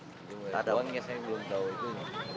uangnya saya belum tahu